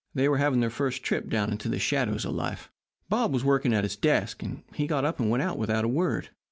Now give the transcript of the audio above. They were having their first trip down into the shadows of life. Bob was working at his desk, and he got up and went out without a word.